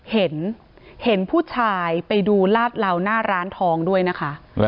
เห็นเห็นผู้ชายไปดูลาดเหลาหน้าร้านทองด้วยนะคะ